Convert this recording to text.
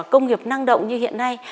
công nghiệp năng động như hiện nay